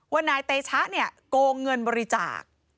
นายเตชะเนี่ยโกงเงินบริจาค